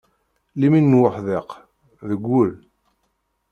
Limin n wuḥdiq, deg wul.